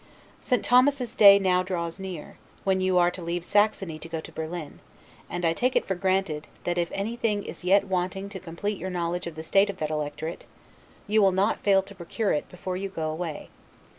St. Thomas's day now draws near, when you are to leave Saxony and go to Berlin; and I take it for granted, that if anything is yet wanting to complete your knowledge of the state of that electorate, you will not fail to procure it before you go away.